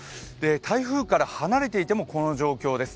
台風から離れていてもこの状況です。